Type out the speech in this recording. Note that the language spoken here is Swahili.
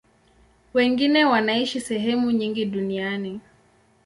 Wengine wanaishi sehemu nyingi duniani.